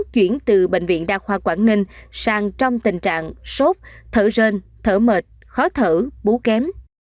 chuyển từ bệnh viện đa khoa quảng ninh sang trong tình trạng sốt thở rơn thở mệt khó thở bú kém